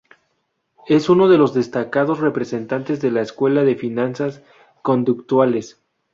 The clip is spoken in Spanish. Es uno de los destacados representantes de la escuela de finanzas conductuales.